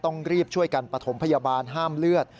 ต้องรีบช่วยกันปฐมพยาบาลห้ามเลือด